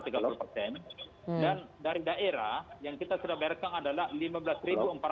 dan dari daerah yang kita sudah bayarkan adalah rp lima belas empat ratus tujuh puluh dua